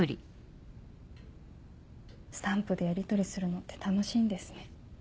スタンプでやりとりするのって楽しいんですね。